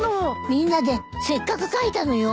みんなでせっかく書いたのよ。